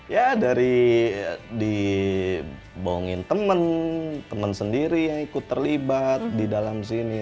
ya dari dibohongin temen temen sendiri yang ikut terlibat di dalam sini